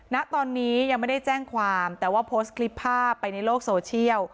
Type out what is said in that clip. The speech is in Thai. ณตอนนี้ยังไม่ได้แจ้งความแต่ว่าโพสต์คลิปภาพไปในโลกโซเชียล